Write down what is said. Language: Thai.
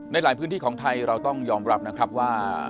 หลายพื้นที่ของไทยเราต้องยอมรับนะครับว่า